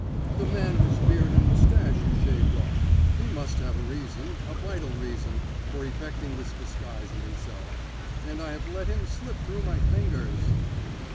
"The man whose beard and moustache you shaved off. He must have a reason, a vital reason, for effecting this disguise in himself. And I have let him slip through my fingers!"